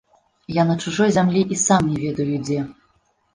Я на чужой зямлі і сам не ведаю дзе.